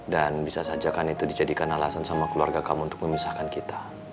dan bisa saja kan itu dijadikan alasan sama keluarga kamu untuk memisahkan kita